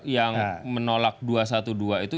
yang menolak dua ratus dua belas itu